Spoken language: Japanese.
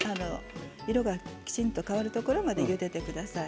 色がきちんと変わるところまでゆでてください。